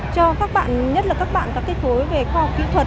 cho các bạn nhất là các bạn có kết hối về khoa học kỹ thuật